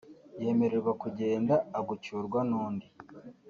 yemererwa kugenda agucyurwa n’undi